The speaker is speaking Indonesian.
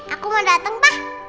aku mau dateng pak